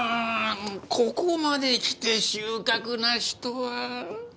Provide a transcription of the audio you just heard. ここまできて収穫なしとは。